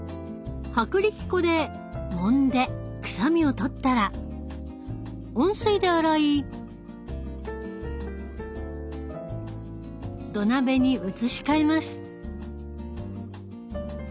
薄力粉でもんでくさみをとったら温水で洗い土鍋に移し替えます。